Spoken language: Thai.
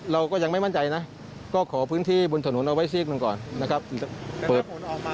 เราก็ยังไม่มั่นใจนะก็ขอพื้นที่บนถนนเอาไว้ซีกหนึ่งก่อนนะครับเปิด